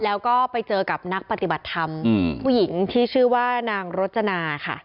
แล้วก็ไปเจอกับนักปฏิบัติธรรมผู้หญิงที่ชื่อว่านางรจนาค่ะ